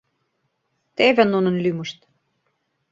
ТЕВЕ НУНЫН ЛӰМЫШТ: